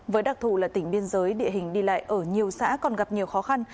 với đặc thù là tỉnh biên giới địa hình đi lại ở nhiều xã còn gặp nhiều khó khăn